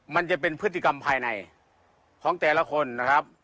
มันจะเป็นพฤติกรรมภายในของแต่ละคนนะครับ